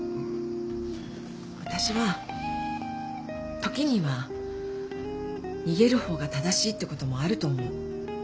私は時には逃げる方が正しいってこともあると思う。